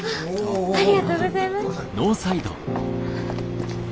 ありがとうございます。